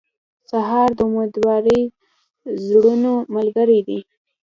سهار د امیدوارو زړونو ملګری دی.